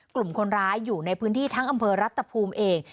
กลุ่มคนร้ายอยู่ในพื้นที่ทั้งอำเภอรัฐภูมิเอง